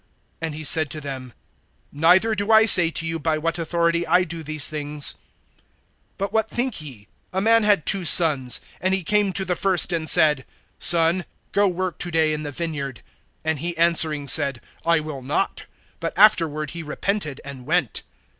And he said to them: Neither do I say to you, by what authority I do these things. (28)But what think ye? A man had two sons; and he came to the first, and said: Son, go work to day in the vineyard. (29)And he answering said: I will not; but afterward he repented, and went.